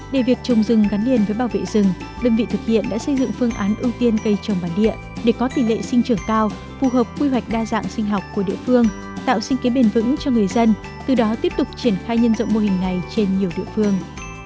để việc trồng rừng gắn liền với bảo vệ rừng đơn vị thực hiện đã xây dựng phương án ưu tiên cây trồng bản địa để có tỷ lệ sinh trưởng cao phù hợp quy hoạch đa dạng sinh học của địa phương tạo sinh kế bền vững cho người dân từ đó tiếp tục triển khai nhân rộng mô hình này trên nhiều địa phương